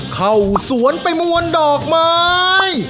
เข้าสวนไปมวลดอกไม้